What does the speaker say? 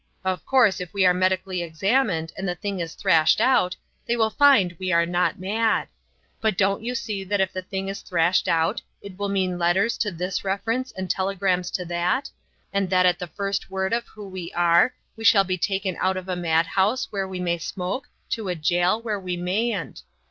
Of course, if we are medically examined and the thing is thrashed out, they will find we are not mad. But don't you see that if the thing is thrashed out it will mean letters to this reference and telegrams to that; and at the first word of who we are, we shall be taken out of a madhouse, where we may smoke, to a jail, where we mayn't.